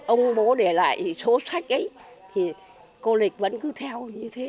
ông bố để lại số sách ấy thì cô lịch vẫn cứ theo như thế